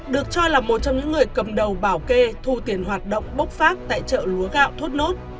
được cho là một trong những người cầm đầu bảo kê thu tiền hoạt động bốc phát tại chợ lúa gạo thốt nốt